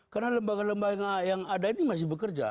karena lembaga lembaga yang ada ini masih bekerja